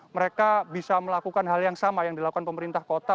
mereka bisa melakukan hal yang sama yang dilakukan pemerintah kota